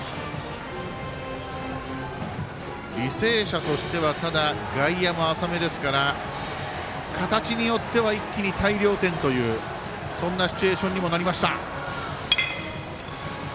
履正社としてはただ、外野も浅めですから形によっては一気に大量点というそんなシチュエーションにもなりました。